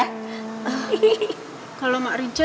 hihihi kalau mbak rinca